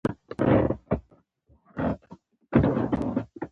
د پوپل صاحب د کور څخه رخصت شولو.